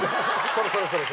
それそれそれ。